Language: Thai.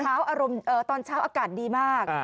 อารมณ์ตอนเช้าอากาศดีมาก